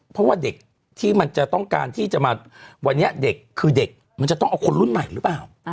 เพราะว่าเด็กที่มันจะต้องการที่จะมาวันนี้เด็กคือเด็กมันจะต้องเอาคนรุ่นใหม่หรือเปล่า